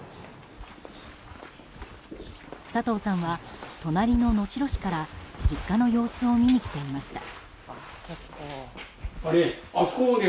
佐藤さんは隣の能代市から実家の様子を見に来ていました。